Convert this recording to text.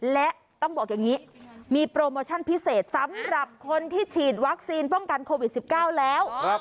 และต้องบอกอย่างนี้มีโปรโมชั่นพิเศษสำหรับคนที่ฉีดวัคซีนป้องกันโควิด๑๙แล้ว